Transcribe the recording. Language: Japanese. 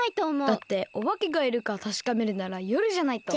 だっておばけがいるかたしかめるならよるじゃないと。